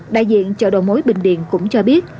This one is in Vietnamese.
đại diện chợ đầu mối bình điện cũng cho biết